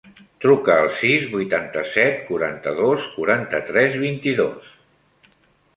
Truca al sis, vuitanta-set, quaranta-dos, quaranta-tres, vint-i-dos.